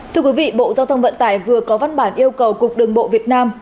thưa quý vị bộ giao thông vận tải vừa có văn bản yêu cầu cục đường bộ việt nam